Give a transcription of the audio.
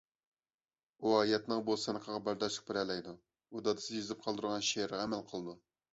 ئۇ ھاياتنىڭ بۇ سىنىقىغا بەرداشلىق بېرەلەيدۇ. ئۇ دادىسى يېزىپ قالدۇرغان شېئىرغا ئەمەل قىلىدۇ